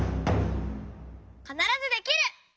「かならずできる！」。